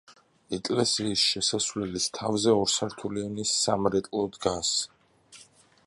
ეკლესიის შესასვლელის თავზე ორსართულიანი სამრეკლო დგას.